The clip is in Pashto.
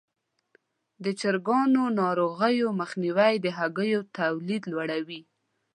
د چرګانو ناروغیو مخنیوی د هګیو تولید لوړوي.